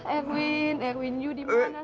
erwin erwin kamu dimana